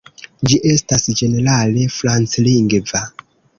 Ĝi estas ĝenerale franclingva.